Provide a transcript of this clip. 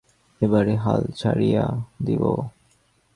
এবারে হাল ছাড়িয়া দিব।